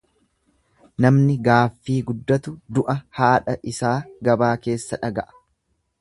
Namni gaaffii guddatu du'a haadha isaa gabaa keessa dhaga'a.